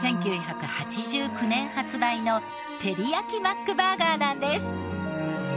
１９８９年発売のてりやきマックバーガーなんです。